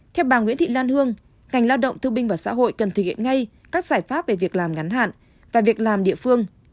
theo bà nguyễn thị lan hương ngành lao động thương binh và xã hội cần thực hiện ngay các giải pháp về việc làm ngắn hạn và việc làm địa phương